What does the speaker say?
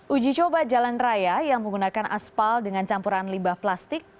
uji coba jalan raya yang menggunakan aspal dengan campuran limbah plastik